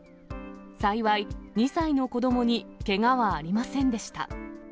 幸い、２歳の子どもにけがはありませんでした。